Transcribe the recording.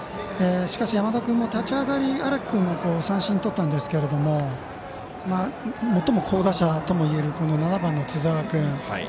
しかし、山田君も立ち上がり荒木君を三振とったんですが最も好打者ともいえる７番の津澤君。